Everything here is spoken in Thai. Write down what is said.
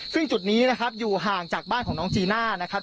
ซึ่งจุดนี้นะครับอยู่ห่างจากบ้านของน้องจีน่านะครับ